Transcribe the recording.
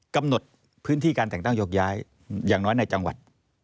กำหนดพื้นที่การแต่งตั้งโยกย้ายอย่างน้อยในจังหวัด